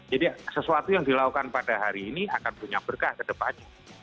jadi sesuatu yang dilakukan pada hari ini akan punya berkah ke depannya